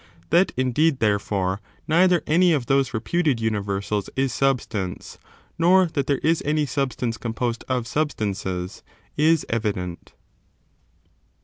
^ That, indeed, therefore, neither any of those reputed universals is substance, nor that there is any substance com posed of substances, is evident.